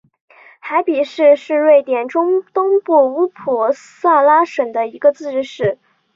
海比市是瑞典中东部乌普萨拉省的一个自治市。